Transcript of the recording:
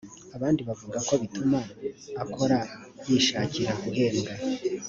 abandi bavuga ko bituma akora yishakira guhembwa